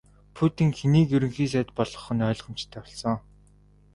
Путин хэнийг Ерөнхий сайд болгох нь ойлгомжтой болсон.